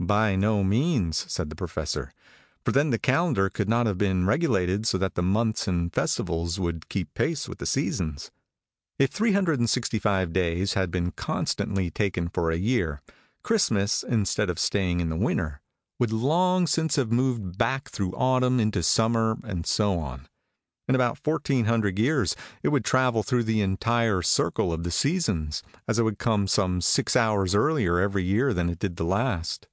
"By no means," said the Professor. "For then the calendar could not have been regulated so that the months and festivals would keep pace with the seasons. If 365 days had been constantly taken for a year, Christmas, instead of staying in the winter, would long since have moved back through autumn into summer, and so on. In about 1400 years it would travel through the entire circle of the seasons, as it would come some six hours earlier every year than it did the last.